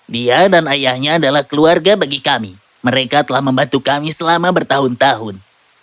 dia dan ayahnya adalah keluarga bagi kami mereka telah membantu kami selama bertahun tahun